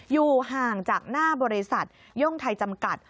อยู่ห่างจากหน้าบริษัทย่งไทยจำกัด